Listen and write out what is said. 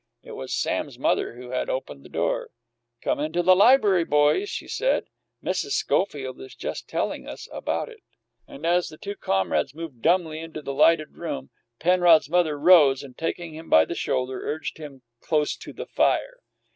It was Sam's mother who had opened the door. "Come into the library, boys," she said. "Mrs. Schofield is just telling us about it." And as the two comrades moved dumbly into the lighted room, Penrod's mother rose, and, taking him by the shoulder, urged him close to the fire.